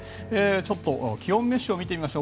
ちょっと気温メッシュを見てみましょう。